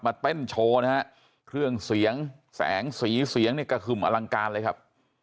เต้นโชว์นะฮะเครื่องเสียงแสงสีเสียงเนี่ยกระหึ่มอลังการเลยครับ